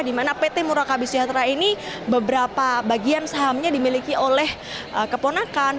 di mana pt murakabi sejahtera ini beberapa bagian sahamnya dimiliki oleh keponakan